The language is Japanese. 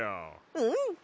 うん！